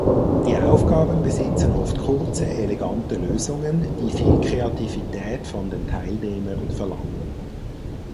Die Aufgaben besitzen oft kurze, elegante Lösungen, die viel Kreativität von den Teilnehmern verlangen.